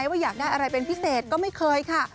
ว่าอยากได้อะไรเป็นพิเศษก็ไม่เคยค่ะ